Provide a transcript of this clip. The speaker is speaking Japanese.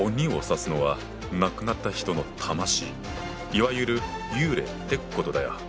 いわゆる幽霊ってことだ。